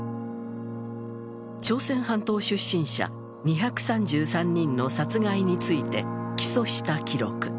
朝鮮半島出身者２３３人の殺害について起訴した記録。